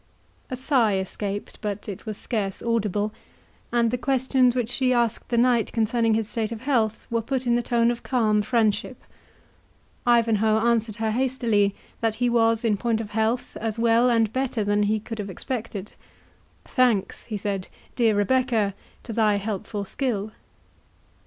A sigh escaped, but it was scarce audible; and the questions which she asked the knight concerning his state of health were put in the tone of calm friendship. Ivanhoe answered her hastily that he was, in point of health, as well, and better than he could have expected—"Thanks," he said, "dear Rebecca, to thy helpful skill."